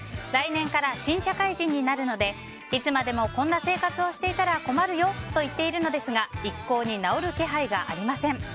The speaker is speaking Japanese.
来年から新社会人になるのでいつまでもこんな生活をしていたら困るよと言っているのですが一向に治る気配がありません。